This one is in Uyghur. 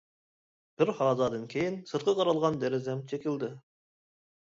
بىر ھازادىن كېيىن، سىرتقا قارالغان دېرىزەم چېكىلدى.